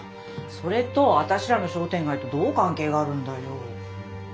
それと私らの商店街とどう関係があるんだよ？